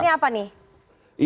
ini maksudnya apa nih